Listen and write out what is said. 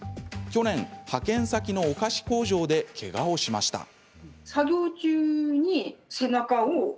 去年、派遣先のお菓子工場でけがをしました。